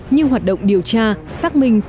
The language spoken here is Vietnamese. như hoạt động điều tra xác minh